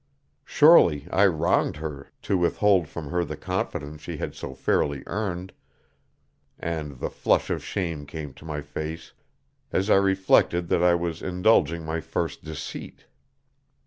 Surely I wronged her to withhold from her the confidence she had so fairly earned, and the flush of shame came to my face as I reflected that I was indulging my first deceit.